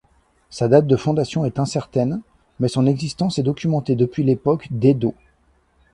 Sa date de fondation est incertaine mais son existence est documentée depuis l'époque d'Edo.